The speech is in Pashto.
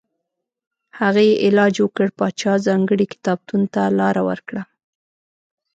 هغه یې علاج وکړ پاچا ځانګړي کتابتون ته لاره ورکړه.